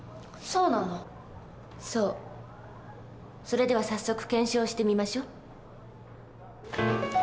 それでは早速検証してみましょう。